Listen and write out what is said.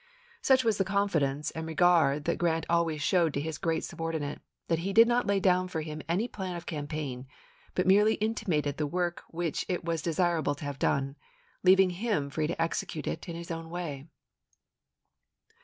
Such was the confidence and p 26 " regard that Grant always showed to his great subordinate, that he did not lay down for him any plan of campaign, but merely intimated the work which it was desirable to have done, leaving him free to execute it in his own way.